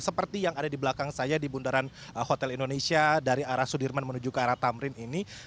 seperti yang ada di belakang saya di bundaran hotel indonesia dari arah sudirman menuju ke arah tamrin ini